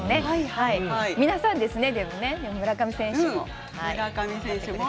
皆さんですよね、村上選手。